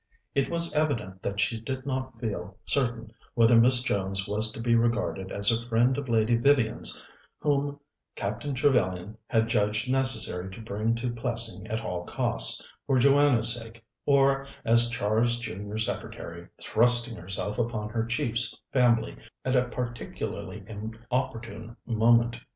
It was evident that she did not feel certain whether Miss Jones was to be regarded as a friend of Lady Vivian's, whom Captain Trevellyan had judged necessary to bring to Plessing at all costs, for Joanna's sake, or as Char's junior secretary, thrusting herself upon her chief's family at a particularly inopportune moment.